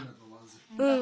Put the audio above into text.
うん。